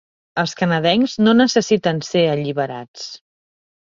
Els canadencs no necessiten ser alliberats.